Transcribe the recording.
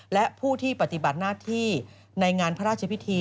และผู้ที่ปฏิบัติหน้าที่ในงานพระราชพิธี